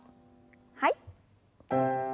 はい。